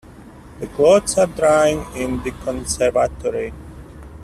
The clothes are drying in the conservatory.